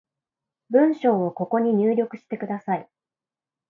文章をここに入力してください